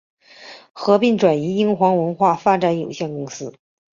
合并移转英皇文化发展有限公司。